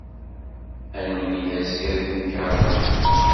Ad nemlil azekka, deg temkarḍit!